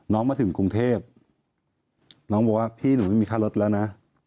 น้องมาถึงกรุงเทพกลัวว่าพี่หนูไม่มีค่ารถแล้วนะ